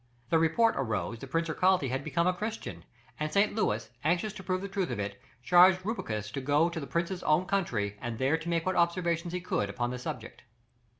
The report arose that Prince Erkalty had become a Christian, and St. Louis, anxious to prove the truth of it, charged Rubruquis to go into the prince's own country and there make what observations he could upon the subject.